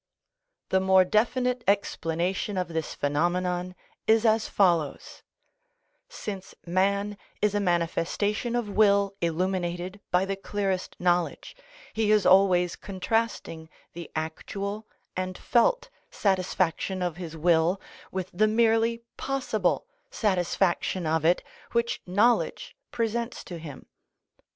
The more definite explanation of this phenomenon is as follows:—Since man is a manifestation of will illuminated by the clearest knowledge, he is always contrasting the actual and felt satisfaction of his will with the merely possible satisfaction of it which knowledge presents to him.